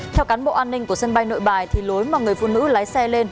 theo cán bộ an ninh của sân bay nội bài thì lối mà người phụ nữ lái xe lên